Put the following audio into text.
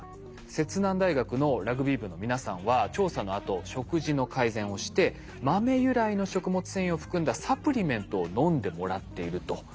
摂南大学のラグビー部の皆さんは調査のあと食事の改善をして豆由来の食物繊維を含んだサプリメントを飲んでもらっていると。